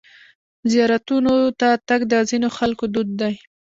زیارتونو ته تګ د ځینو خلکو دود دی.